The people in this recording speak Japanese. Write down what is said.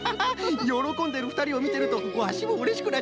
よろこんでるふたりをみてるとワシもうれしくなっちゃうな。